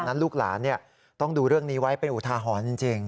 ดังนั้นลูกหลานเนี่ยต้องดูเรื่องนี้ไว้เป็นอุทาหรณ์จริง